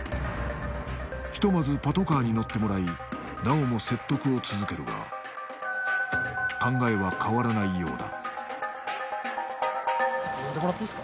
ひとまずパトカーに乗ってもらいなおも説得を続けるが考えは変わらないようだ